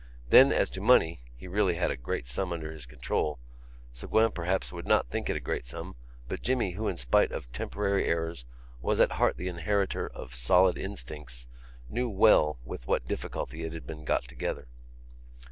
Then as to money—he really had a great sum under his control. Ségouin, perhaps, would not think it a great sum but Jimmy who, in spite of temporary errors, was at heart the inheritor of solid instincts knew well with what difficulty it had been got together.